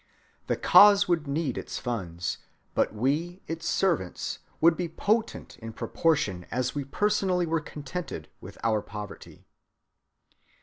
The cause would need its funds, but we its servants would be potent in proportion as we personally were contented with our poverty.